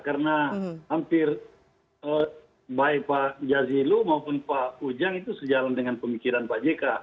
karena hampir baik pak jazilu maupun pak ujang itu sejalan dengan pemikiran pak jk